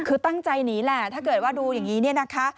คือตั้งใจหนีแหละถ้าเกิดว่าดูอย่างนี้เนี่ยนะคะ